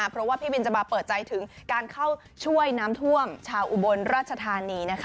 เพราะว่าพี่บินจะมาเปิดใจถึงการเข้าช่วยน้ำท่วมชาวอุบลราชธานีนะคะ